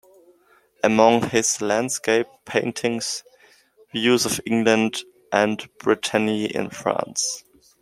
Among his landscape paintings - views of England and Brittany in France.